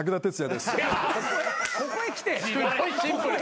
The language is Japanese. すごいシンプル。